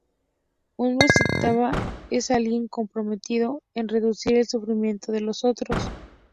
Un bodhisattva es alguien comprometido en reducir el sufrimiento de los otros.